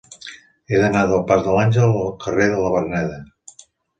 He d'anar del pas de l'Àngel al carrer de la Verneda.